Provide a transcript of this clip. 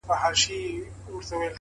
د زړگي شال دي زما پر سر باندي راوغوړوه ـ